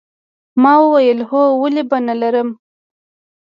ما وویل هو ولې به نه لرم